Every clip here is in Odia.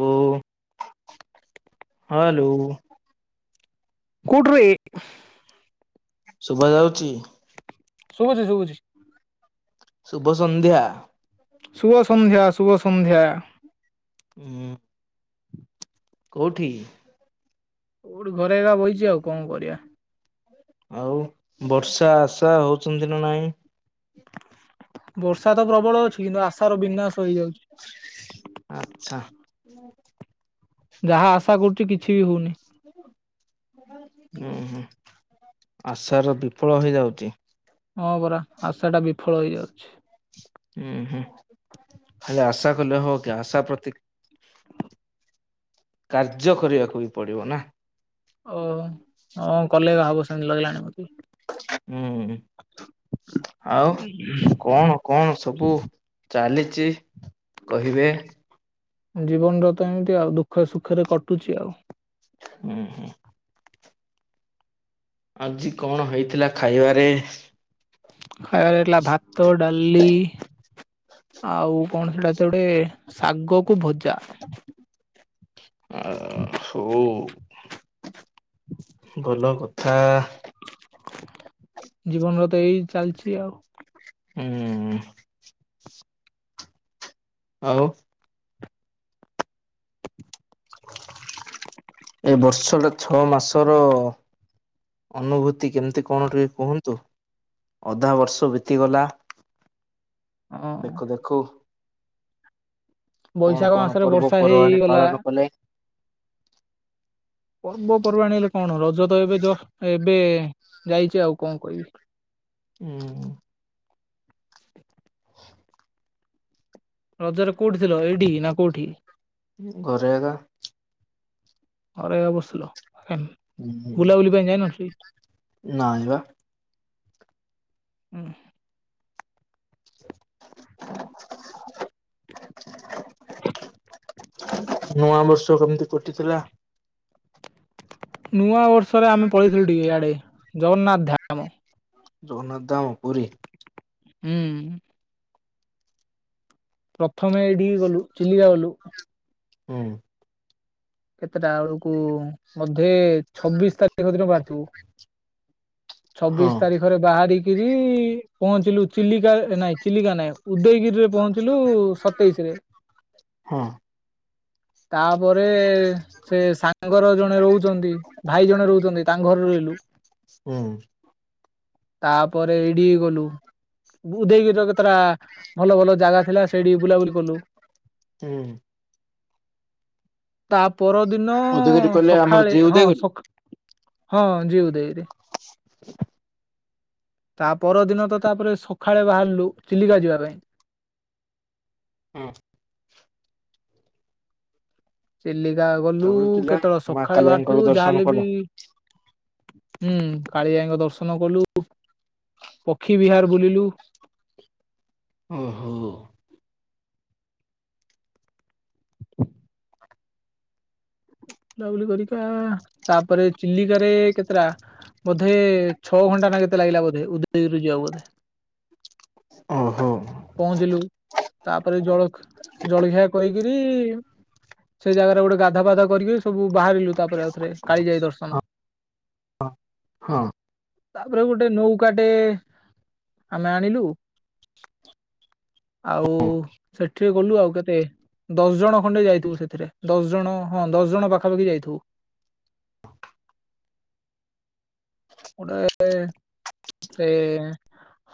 ହ ହଲୋ କୁଡି ଶୁଭ ଯାଉଛି ଶୁଭୁଛି ଶୁଭୁଛି ଶୁଭ ସନ୍ଧ୍ୟା। ଶୁଭସନ୍ଧ୍ୟା ଶୁଭ ସନ୍ଧ୍ୟା। ହୁଁ। କେଉଠି? କୋଉଠି ଘରେ ଏଗା ବହିଛି ଆଉ କଣ କରିବା। ଆଉ ବର୍ଷା ଆଶା ହଉଛନ୍ତି ନା ନାଇଁ? ବର୍ଷା। ପ୍ରବଳ ଅଛି କିନ୍ତୁ ଆଶାର ବିନାଶ ହେଇଯାଉଛି। ଆଚ୍ଛା ଯାହା ଆଶା କରୁଛି କିଛି ବି ହଉନି। ହୁଁ ହୁଁ। ଆଶାର ବିଫଳ ହେଇଯାଉଚି। ହଁ ପରା ଆଶା ଟା ବିଫଳ ହେଇଯାଉଛି। ହୁଁ ହୁଁ ଖାଲି ଆଶା କଲେ ହଉ କି ଆଶା ପ୍ରତି କାର୍ଯ୍ୟ କରିବାକୁ ବି ପଡିବ ନା। ଓହ ହଁ କଲେ ହବ ସେମିତି ଲଗିଲାଣି ମତେ। ହୁଁ। ଆଉ କଣ କଣ ସବୁ ଚାଲିଛି କହିବେ? ଜୀବନର ତ ଏମିତି ଆଉ ଦୁଃଖ ସୁଖରେ କଟୁଛି ଆଉ। ହୁଁ ହୁଁ। ଆଜି କଣ ହେଇଥିଲା ଖାଇବାରେ? ଖାଇବାରେ ହେଇଥିଲା ଭାତ, ଡାଲି ଆଉ କଣ ସେଟା ତ ଗୋଟେ ଶାଗକୁ, ଭଜା। ଆ ହଉ। ଥା। ଜୀବନର ତ ଏଇ ଚାଲିଛି ଆଉ। ହୁଁ। ଆଉ। ଏ ବର୍ଷଟା ଛଅ ମାସର। ଅନୁଭୂତି କେମିତି କଣ ଟିକେ କୁହନ୍ତୁ? ଅଧା ବର୍ଷ ବିତିଗଲା ହଁ। ଦେଖୁ ଦେଖୁ। କଣ ବୈଶାଖ କଣ ମାସରେ ପର୍ବ ବର୍ଷା ପର୍ବାଣି ହେଇଗଲା ପାଳନ କଲେ? ପର୍ବ ପର୍ବାଣୀ ରେ କଣ। ରଜ ତ ଏବେ ଜଷ୍ଟ ଏବେ ଯାଇଛି ଆଉ କଣ କହିବି। ହୁଁ। ରଜରେ କୋଉଠି ଥିଲ ଏଇଠି ନା କୋଉଠି? ଘରେ ଏଗା। ଘରେ ଏକା ବସିଲ। ହେମ୍ ହୁଁ ବୁଲାବୁଲି ପାଇଁ ଯାଇନ କି? ନାଇଁ ବା ହୁଁ। ନୂଆ ବର୍ଷ କେମିତି କଟିଥିଲା? ନୂଆ ବର୍ଷରେ ଆମେ ପଳେଇଥିଲୁ ଟିକେ ଇଆଡେ ଜଗନ୍ନାଥ ଧାମ। ଜଗନ୍ନାଥ ଧାମ ପୁରୀ? ହୁଁ। ପ୍ରଥମେ ଏଇଠିକି ଗଲୁ ଚିଲିକା ଗଲୁ। ହୁଁ। କେତେଟା ଏଲେକୁ ବୋଧେ ଛବିଶ ତାରିଖ ଦିନ ବାହାରିଥିବୁ। ହଁ ଛବିଶ ତାରିଖରେ ବାହାରି କିରି ପହଞ୍ଚିଲୁ ଚିଲିକା ନାଇଁ ଚିଲିକା ନାଇଁ ଉଦୟଗିରିରେ ପହଞ୍ଚିଲୁ ସତେଇଶରେ ହଁ ତାପରେ ସେ ସାଙ୍ଗର ଜଣେ ରହୁଛନ୍ତି ଭାଇ ଜଣେ ରହୁଛନ୍ତି ତାଙ୍କ ଘରେ ରହିଲୁ। ହୁଁ। ତାପରେ ଏଇଡି ଗଲୁ। ଉଦୟଗିରିର କେତେଟା ଭଲ ଭଲ ଜାଗା ଥିଲା ସେଇଠି ବୁଲାବୁଲି କଲୁ। ହୁଁ। ତା ପରଦିନ ଉଦୟଗିରି କହିଲେ ଆମର ସକାଳେ ଯେ ହଁ ଉଦୟଗିରି ସକ୍ ହଁ ଜି ଉଦୟଗିରି। [unintelligible] ତା ପରଦିନ ତ ତାପରେ ସକାଳେ ବାହାରିଲୁ ଚିଲିକା ଯିବା ପାଇଁ। ହୁଁ। ଚିଲିକା ଗଲୁ ତାପରେ ଥିଲା କେତେବେଳେ ମା ସଖାଳେ କାଳିଆଙ୍କର ବାହାରିଥିବୁ ଦର୍ଶନ ଯାହାହେଲେ କଲ ବି ହୁଁ, କାଳିଜାଇଙ୍କ ଦର୍ଶନ କଲୁ। ପକ୍ଷୀ ବିହାର ବୁଲିଲୁ। ଓହୋଃ। ବୁଲାବୁଲି କରିକା ତାପରେ ଚିଲିକାରେ କେତେଟା ବୋଧେ ଛଅ ଘଣ୍ଟା ନା କେତେ ଲାଗିଲା ବୋଧେ ଉଦଯଗିରିରୁ ଯିବାକୁ ବୋଧେ। ଓହୋଃ। ପହଞ୍ଚିଲୁ, ତାପରେ ଜଳଖ୍ ଜଳଖିଆ କହିକିରି ସେଇ ଜାଗାରେ ଗୋଟେ ଗାଧାପାଧା କରିକି ସବୁ ବାହାରିଲୁ ତାପରେ ଆଉଥରେ କାଳିଜାଇ ଦର୍ଶନ। ହଁ ହଁ। ତାପରେ ଗୋଟେ ନୌକାଟେ ଆମେ ଆଣିଲୁ। [unintelligible] ଆଉ ସେଠି ଗଲୁ ଆଉ କେତେ ଦଶ ଜଣ ଖଣ୍ଡେ ଯାଇଥିବୁ ସେଥିରେ ଦଶ ଜଣ ହଁ ଦଶ ଜଣ ପାଖାପାଖି ଯାଇଥିବୁ। [unintelligible] ଗୋଟେ ଏ-ଏ ସେ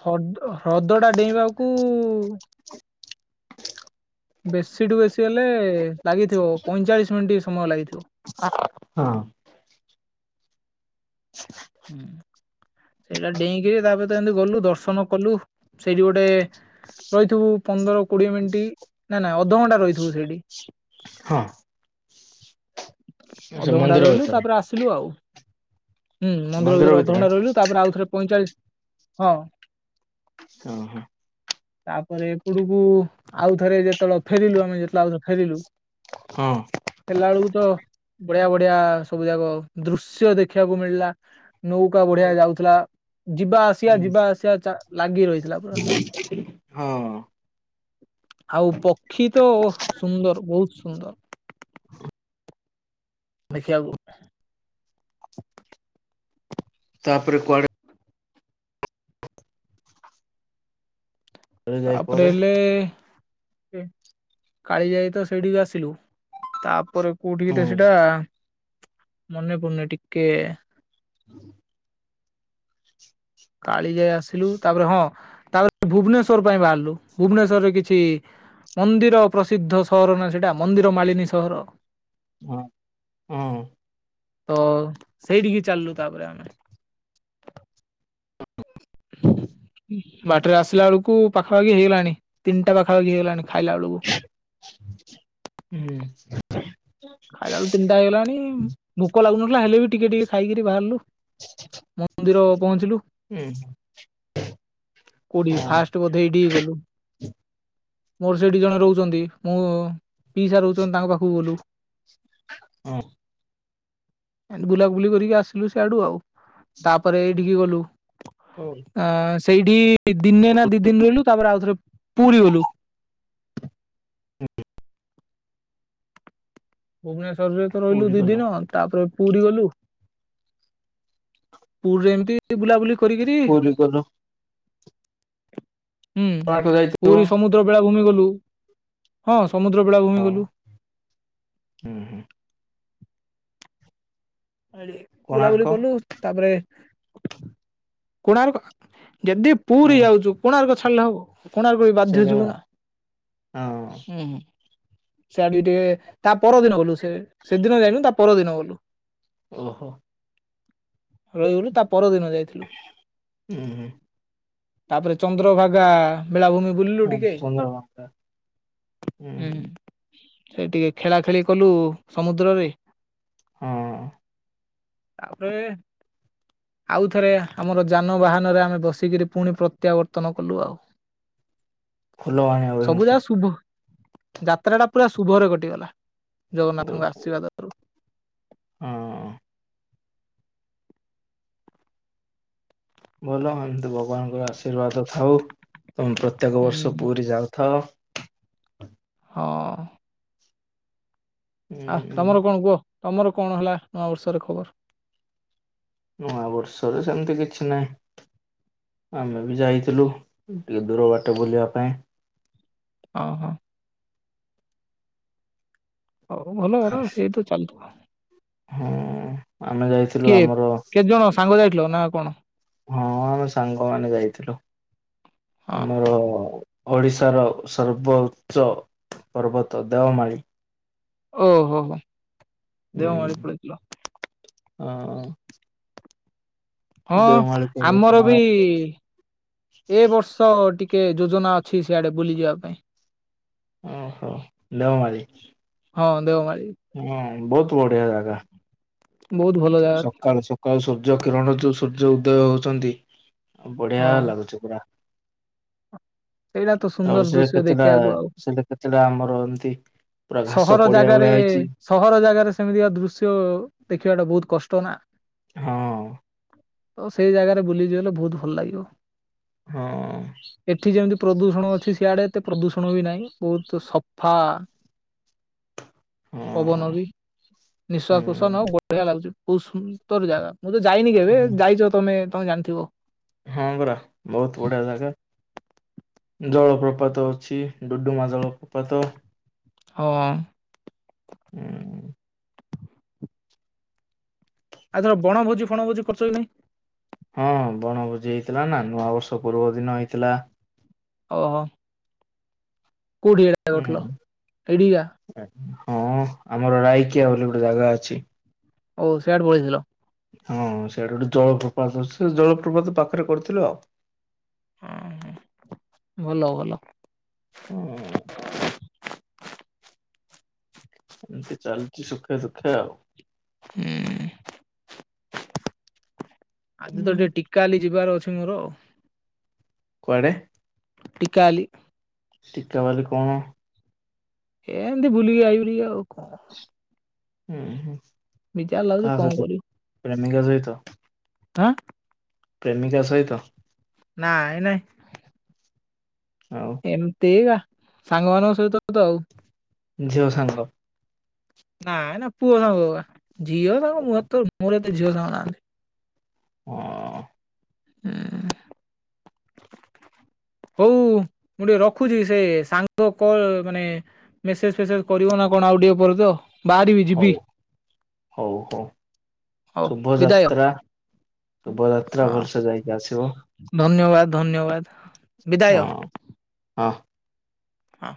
ହଡ ହ୍ରଦଟା ଡେଇଁବାକୁ ବେଶୀଠୁ ବେଶୀ ହେଲେ ଲାଗିଥିବ ପଇଁଚାଳିଶ ମିନିଟ୍ ସମୟ ଲାଗିଥିବ। ହଁ। ହୁଁ। ସେଇଟା ଡେଇଁକିରି ତାପରେ ତ ଏମିତି ଗଲୁ ଦର୍ଶନ କଲୁ। ସେଇଠି ଗୋଟେ ରହିଥିବୁ ପନ୍ଦର କୋଡିଏ ମିନିଟ୍ ନା-ନା ଅଧଘଣ୍ଟା ରହିଥିବୁ ସେଇଠି। ହଁ। ସେ ଅଧଘଣ୍ଟା ମନ୍ଦିର ରହିଲୁ ଭିତରେ ତାପରେ ଆସିଲୁ ଆଉ। ହୁଁ, ମନ୍ଦିର ଭିତରେ ଅଧଘଣ୍ଟା ରହିଲୁ ତାପରେ ଆଉଥରେ ପଇଁଚାଳିଶ ହଁ ଓହୋଃ। ତାପରେ ଏପଟକୁ ଆଉଥରେ ଯେତେବେଳେ ଫେରିଲୁ ଆମେ ଯେତେବେଳେ ଆଉଥରେ ଫେରିଲୁ ହଁ। ହେଲା ବେଳକୁ ତ ବଢିଆ ବଢିଆ ସବୁ ଯାକ ଦୃଶ୍ୟ ଦେଖିବାକୁ ମିଳିଲା। ନୌକା ବଢିଆ ହୁଁ ଯାଉଥିଲା। ଯିବା ଆସିବା ଯିବା ଆସିବା ଚା ଲାଗି ରହିଥିଲା ପୁରା। ହଁ। ଆଉ ପକ୍ଷୀ ତ ଓହୋଃ ସୁନ୍ଦର, ବହୁତ ସୁନ୍ଦର। ଦେଖିବାକୁ ତାପରେ କୁଆଡେ କୁଆଡେ ଯାଏ ତାପରେ ପରେ ଏଲେ କାଳିଜାଇ ତ ସେଇଠିକି ଆସିଲୁ। ତାପରେ କୋଉଠିକି ହଁ ତ ସେଇଟା ମନେ ପଡୁନି ଟିକେ [unintelligible] କାଳିଜାଇ ଆସିଲୁ। ତାପରେ ହଁ ତାପରେ ଭୁବନେଶ୍ୱର ପାଇଁ ବାହାରିଲୁ। ଭୁବନେଶ୍ୱରରେ କିଛି ମନ୍ଦିର ପ୍ରସିଦ୍ଧ ସହର ନା ସେଟା ମନ୍ଦିର ମାଳିନୀ ସହର। ହଁ। ହଁ ତ ସେଇଠିକି ଚାଲିଲୁ ତାପରେ ଆମେ। [unintelligible] ବାଟରେ ଆସିଲା ବେଳକୁ ପାଖାପାଖି ହେଇଗଲାଣି ତିନିଟା ପାଖାପାଖି ହେଇଗଲାଣି ଖାଇଲା ବେଳକୁ। ହୁଁ। ଖାଇଲା ବଳୁ ତିନିଟା ହେଗଲାଣି। ଭୋକ ଲାଗୁନଥିଲା ହେଲେ ବି ଟିକେ ଟିକେ ଖାଇକିରି ବାହାରିଲୁ। ମନ୍ଦିର ପହଞ୍ଚିଲୁ। ହୁଁ କୋଉଟିକି ହଁ ଫାଷ୍ଟ ବୋଧେ ଏଇଟିକି ଗଲୁ। ମୋର ସେଠି ଜଣେ ରହୁଚନ୍ତି। ମୋ ପିଇସା ରହୁଚନ୍ତି ତାଙ୍କ ପାଖକୁ ଗଲୁ। ହଁ। ଏନ ବୁଲାବୁଲି କରିକି ଆସିଲୁ ସିଆଡୁ ଆଉ। ତାପରେ ଏଇଠିକି ଗଲୁ। ହଉ ଅ, ସେଇଠି ଦିନେ ନା ଦି ଦିନ ରହିଲୁ। ତାପରେ ଆଉଥରେ ପୁରୀ ଗଲୁ। [inaudible] ଭୁବନେଶ୍ଵରରେ ତ ରହିଲୁ ପୁରୀ ଦି ଗଲ ଦିନ। ତାପରେ ପୁରୀ ଗଲୁ। ପୁରରେ ଏମିତି ବୁଲାବୁଲି କ କୋଉଠିକି କହିଲ? ହୁଁ, ଯାଇଥିବ ପୁରୀ ସମୁଦ୍ର ବେଳା ଭୂମି ଗଲୁ। ହଁ ସମୁଦ୍ର ବେଳାଭୂମି ଗଲୁ। ଅଁ, ହଁ। ଏଇଟି ବୁଲାବୁଲି କୋଣାର୍କ କଲୁ। ତାପରେ କୋଣାର୍କ ଯଦି ପୁରୀ ହଁ ଯାଉଚୁ କୋଣାର୍କ ଛାଡ଼ିଲେ ହବ। ଏ କୋଣାର୍କ ବି ବାଧ୍ୟ ସେଇଟା ଯିବୁ ପରା ନା। ହଁ ଉଁ, ହୁଁ, ସିଆଡ ଟିକେ ତା ପର ଦିନ ଗଲୁ ସେ ସେଦିନ ଯାଇନୁ ତା ପର ଦିନ ଗଲୁ। ଓହୋ! ରହିଗଲୁ ତା ପରଦିନ ଯାଇଥିଲୁ। ହୁଁ ହୁଁ ତାପରେ ଚନ୍ଦ୍ରଭାଗା ବେଳାଭୂମି ବୁଲିଲୁ ହଁ ଟିକେ ଚନ୍ଦ୍ରଭାଗା ହୁଁ, ସେ ଟିକେ ଖେଳା ଖେଳି କଲୁ ସମୁଦ୍ରରେ। ହଁ। ତାପରେ ଆଉ ଥରେ ଆମର ଯାନବାହାନ ରେ ଆମେ ବସିକିରି ପୁଣି ପ୍ରତ୍ୟାବର୍ତ୍ତନ କଲୁ ଆଉ। [unintelligible] ଫୁଲବାଣୀ ଗଲୁ ସବୁ ଯାକ [unintelligible] ଶୁଭ ଯାତ୍ରା ଟା ପୁରା ଶୁଭରେ କଟିଗଲା ଜଗନ୍ନାଥଙ୍କ ଆଶୀର୍ବାଦରୁ। ହଁ। ଭଲ ଏମତି ଭଗବାନଙ୍କର ଆଶୀର୍ବାଦ ଥାଉ। ତୋମେ ପ୍ରତ୍ୟେକ ବର୍ଷ ହୁଁ ପୁରୀ ଯାଉଥାଅ। ହଁ। ଆଃ ଉଁ ତୋମର କଣ କୁହ? ତୋମର କଣ ହେଲା ନୂଆ ବର୍ଷରେ ଖବର? ନୂଆବର୍ଷରେ ସେମିତି କିଛି ନାହିଁ। ଆମେ ବି ଯାଇଥିଲୁ ଟିକେ ଦୂର ବାଟେ ବୁଲିବା ପାଇଁ। ଓ ହୋ। ହଉ ଭଲ କଥା ସେଇ ତ ଚାଲୁଥୁବ। ହଁ ଆମେ ଯାଇଥିଲୁ କିଏ ଆମର କେତେ ଜଣ ସାଙ୍ଗ ଯାଇଥିଲ ନା କଣ ହଁ ଆମେ ସାଙ୍ଗମାନେ ଯାଇଥିଲୁ। ହଁ ଆମର ଓଡ଼ିଶାର ସର୍ବ ଉଚ୍ଚ ପର୍ବତ ଦେଓମାଳୀ। ଓ ହୋ ହୋ ଦେଓମାଳୀ ପଳେଇଥିଲ। ହଁ। ହଁ ଆମର ବି ପର୍ବତମାଳା ଏ ବର୍ଷ ଟି କେ ଯୋଜନା ଅଛି ସିଆଡେ ବୁଲିଯିବା ପାଇଁ। ଓହୋ ଦେଓ ମାଳି। ହଁ ଦେଓ ମାଳି। ହଁ ବହୁତୁ ବଢିଆ ଜାଗା। ବହୁତ ଭଲ ଜାଗା ସକାଳୁ ସକାଳୁ ସୂର୍ଯ୍ୟ କିରଣ ଯୋଉ ସୂର୍ଯ୍ୟ ଉଦୟ ହଉଚନ୍ତି। ବଢିଆ ହଁ ଲାଗୁଛି ପୁରା। ସେଇଟା ତ ସୁନ୍ଦର ତାପରେ ସେ ଦୃଶ୍ୟ କେତେଟା ଦେଖିବାକୁ ଆଉ ସେଇଟି କେତେଟା ଆମର ଏମିତି? ପୁରା ଘାସ ସହର ପଡିଆ ଭଳିଆ ଜାଗାରେ ହେଇଛି ସହର ଜାଗାରେ ସେମିତିକା ଦୃଶ୍ୟ ଦେଖିବା ଟା ବହୁତ କଷ୍ ତ ନା। ହଁ। ତ ସେଇ ଜାଗାରେ ବୁଲି ଯିବ ହେଲେ ବହୁତ ଭଲ ଲାଗିବ। ହଁ ଏଠି ଯେମିତି ପ୍ରଦୂଷଣ ଛି ସିଆଡେ ଏତେ ପ୍ରଦୂଷଣ ବି ନାହିଁ ବହୁତ ସଫା। ହଁ ପବନ ବି ନିଃଶ୍ଵାସ ପ୍ରଶ୍ଵାସ ନେବାକୁ ହୁଁ ବଢିଆ ଲାଗୁଚି। ବୋହୁତୁ ସୁନ୍ଦର ଜାଗା ମୁଁ ତ ଯାଇନି କେବେ ଯାଇଛ ତମେ ତମେ ଜାଣିଥିବ। ହଁ ପରା ବହୁତ ବଢ଼ିଆ ଜାଗା। ଜଳପ୍ରପାତ ଅଛି ଡୁଡୁମା ଜଳପ୍ରପାତ। ହଁ। ହୁଁ। ଆଉଏଥର ବଣଭୋଜି ଫଣଭୋଜି କରିଚ କି ନାଇଁ? ହଁ ବଣଭୋଜି ହେଇଥିଲା ନା ନୂଆବର୍ଷ ପୂର୍ବ ଦିନ ହେଇଥିଲା। ଓହୋ। କୋଉଠି ଏଟା ହୁଁ କଥିଲ ଏଇଠିକା? ହଁ ଆମର ରାଇକିଆ ବୋଲି ଗୋଟେ ଜାଗା ଅଛି। ଓ ସିଆଡୁ ହଁ ସେଇଆଡେ ଗୋଟେ ଜଳପ୍ରପାତ ଅଛି ସେ ଜଳପ୍ରପାତ ପାଖରେ କରିଥିଲ। ହଁ ହଁ ଭଲ ଭଲ। ହୁଁ। ଏମିତି ଚାଲିଚି ସୁଖେ ଦୁଃଖେ ଆଉ। ହୁଁ। ଆଜି ତ ଟିକେ ଟିକାଲି ଯିବାର ଅଛି ମୋର। କୁଆଡେ? ଟିକାଆଲି। ଟିକାବାଲି କଣ? ଏମତି ବୁଲି ଆଇବୀ ଟିକେ ଆଉ କଣ? ଉଁ ହୁଁ। ବିଚାର ଲାଗୁଚି କଣ କରିବି। ନାନୀଙ୍କ ସହିତ। ଆଁ ପ୍ରେମିକା ସହିତ? ନାଇଁ ନାଇଁ। ଆଉ ଏମତିକା ସାଙ୍ଗମାନଙ୍କ ସହିତ ତ ଆଉ। ଝିଅ ସାଙ୍ଗ। ନାଇଁ ନା ପୁଅ ସାଙ୍ଗଉରା ଝିଅ ସାଙ୍ଗ ମୁଁ ତ ମୋର ଏତେ ଝିଅ ସାଙ୍ଗ ନାହାନ୍ତି। ହଁ। ହୁଁ। ହଉ ମୁଁ ଟିକେ ରଖୁଚି। ସେ ସାଙ୍ଗ କଲ ମାନେ ମେସେଜ ଫେସେଜ କରିବନା। କଣ ଆଉ ଟିକେ ପରେ ତ? ବାହାରିବି ଯିବି। ହଉ ହଉ ହଉ। ହଉ ଶୁଭ ବିଦାୟ। ଯାତ୍ରା ଶୁଭ ଯାତ୍ରା ହଁ ଭଲସେ ଯାଇକି ଆସିବ। ଧନ୍ୟବାଦ ଧନ୍ୟବାଦ ବିଦାୟ। ହଁ ହଁ। ହଁ।